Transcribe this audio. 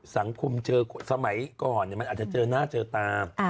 สังคมเจอสมัยก่อนมันอาจจะเจอหน้าเจอตา